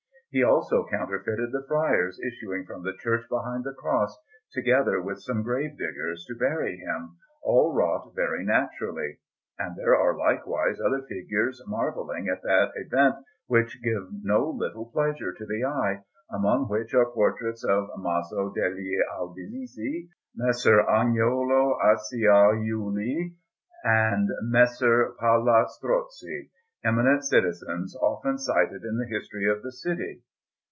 He also counterfeited the friars issuing from the church behind the Cross, together with some grave diggers, to bury him, all wrought very naturally; and there are likewise other figures marvelling at that event which give no little pleasure to the eye, among which are portraits of Maso degli Albizzi, Messer Agnolo Acciaiuoli, and Messer Palla Strozzi, eminent citizens often cited in the history of the city.